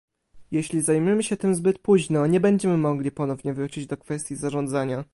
Jeśli zajmiemy się tym zbyt późno, nie będziemy mogli ponownie wrócić do kwestii zarządzania